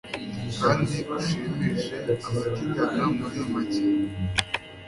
kandi ushimishije abakigana muri make